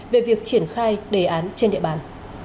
về việc triển khai đề án trên địa bàn